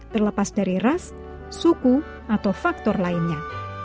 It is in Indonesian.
terlepas dari ras suku atau faktor lainnya